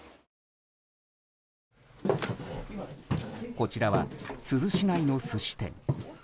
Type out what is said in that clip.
こちらは珠洲市内の寿司店。